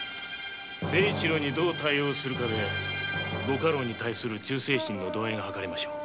誠一郎にどう対応するかで御家老に対する忠誠心の度合いが計れましょう。